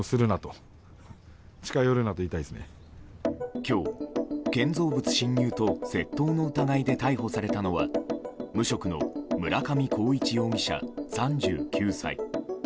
今日、建造物侵入と窃盗の疑いで逮捕されたのは無職の村上浩一容疑者、３９歳。